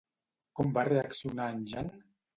Com va reaccionar en Jan?